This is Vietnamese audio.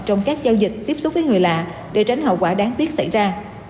trong các giao dịch tiếp xúc với người lạ để tránh hậu quả đáng tiếc xảy ra